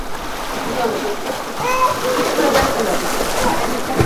Baraza la Umoja wa Mataifa lilitangaza jambo hilo